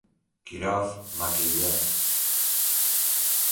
Kirov, Makeyev